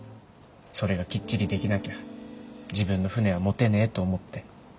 それがきっちりできなきゃ自分の船は持てねえと思って。